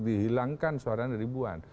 dihilangkan suaranya ribuan